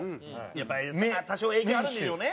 やっぱ多少影響あるんでしょうね。